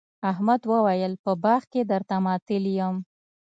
احمد وويل: په باغ کې درته ماتل یم.